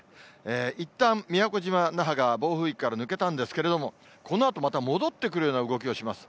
いったん宮古島、那覇が暴風域から抜けたんですけれども、このあとまた戻ってくるような動きをします。